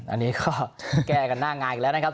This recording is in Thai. อันนี้ก็แก้กันหน้างานอีกแล้วนะครับ